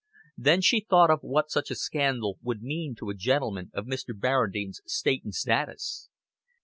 Then she thought of what such a scandal would mean to a gentleman of Mr. Barradine's state and status.